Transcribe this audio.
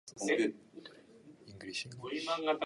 He grew up at Eryldene in Gordon, a northern suburb of Sydney.